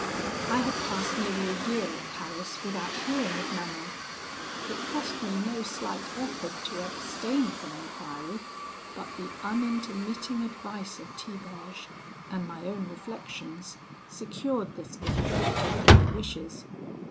I had passed nearly a year at Paris without hearing of Manon. It cost me no slight effort to abstain from enquiry; but the unintermitting advice of Tiberge, and my own reflections, secured this victory over my wishes.